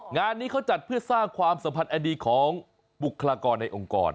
งานนี้เขาจัดเพื่อสร้างความสัมพันธ์อดีตของบุคลากรในองค์กร